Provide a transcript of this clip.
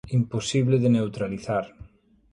Imposible de neutralizar.